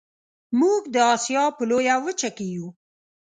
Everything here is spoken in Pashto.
موږ د اسیا په لویه وچه کې یو